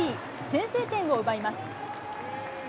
先制点を奪います。